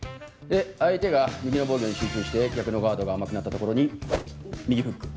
で相手が右の防御に集中して逆のガードが甘くなったところに右フック。